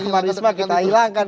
betul supaya dia menghilangkan